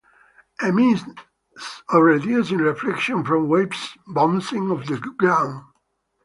A means of reducing reflection from waves bouncing off the ground.